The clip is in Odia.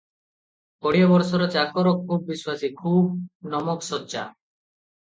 କୋଡ଼ିଏ ବର୍ଷର ଚାକର, ଖୁବ୍ ବିଶ୍ୱାସୀ, ଖୁବ୍ ନିମକସଚ୍ଚା ।